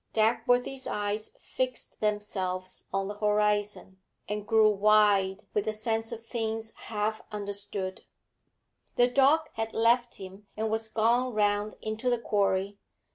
Dagworthy's eyes fixed themselves on the horizon, and grew wide with the sense of things half understood. The dog had left him and was gone round into the quarry.